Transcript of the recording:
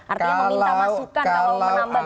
artinya meminta masukan kalau menambah gerbang koalisi